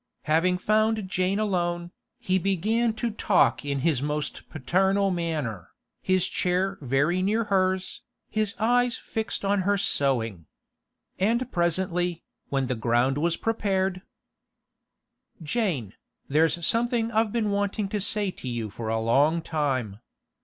Having found Jane alone, he began to talk in his most paternal manner, his chair very near hers, his eyes fixed on her sewing. And presently, when the ground was prepared: 'Jane, there's something I've been wanting to say to you for a long time.